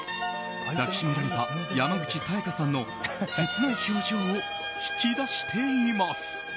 抱きしめられた山口紗弥加さんの切ない表情を引き出しています。